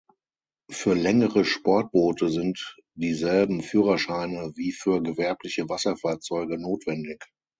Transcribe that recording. Für längere Sportboote sind dieselben Führerscheine wie für gewerbliche Wasserfahrzeuge notwendig.